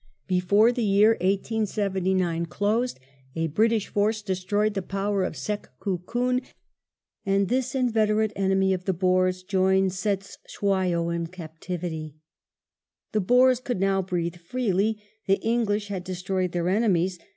Before the year 1879 closed, a British force destroyed the power of Sekukuni, and this inveterate enemy of the Boers joined Cetewayo in captivity. The Boers could now breathe freely ; the English had destroyed The Boer their enemies.